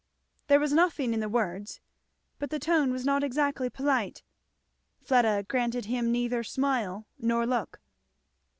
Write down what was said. There was nothing in the words, but the tone was not exactly polite. Fleda granted him neither smile nor look.